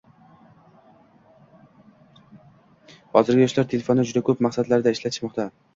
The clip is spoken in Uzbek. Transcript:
Hozirgi yoshlar telefonni juda ko‘p maqsadlarda ishlatishmoqda.